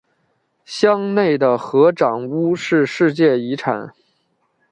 乡内的合掌屋是世界遗产。